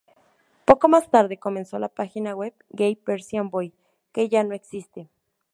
Poco más tarde comenzó la página web "Gay Persian Boy", que ya no existe.